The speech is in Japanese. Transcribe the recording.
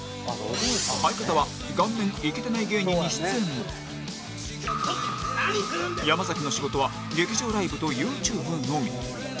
相方は顔面イケてない芸人に出演も山の仕事は劇場ライブと ＹｏｕＴｕｂｅ のみ